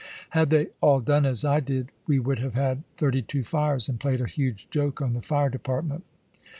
Had they all done as I did, we would have had thirty two fires and played a huge joke on the fire department."